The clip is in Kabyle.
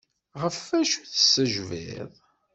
Ɣef acu tessejbiḍ?